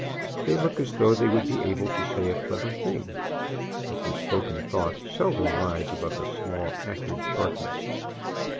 They look as though they would be able to say a clever thing; but their spoken thoughts seldom rise above a small, acrid sharpness.